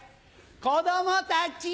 子供たち！